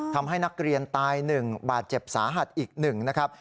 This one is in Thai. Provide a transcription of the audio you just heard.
อ๋อทำให้นักเรียนตายหนึ่งบาดเจ็บสาหัสอีกหนึ่งนะครับ